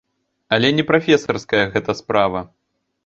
Але не прафесарская гэта справа.